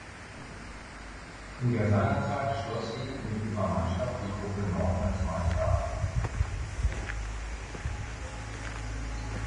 In der seinerzeit schloss sie mit ihrer Mannschaft die Gruppe Nord als Meister ab.